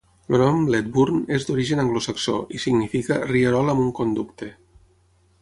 El nom Ledburn és d'origen anglosaxó, i significa "rierol amb un conducte".